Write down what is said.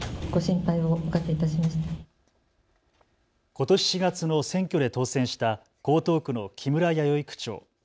ことし４月の選挙で当選した江東区の木村弥生区長。